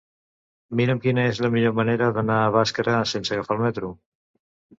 Mira'm quina és la millor manera d'anar a Bàscara sense agafar el metro.